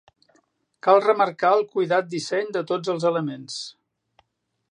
Cal remarcar el cuidat disseny de tots els elements.